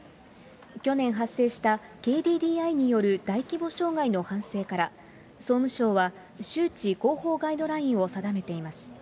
去年発生したＫＤＤＩによる大規模障害の反省から、総務省は周知広報ガイドラインを定めています。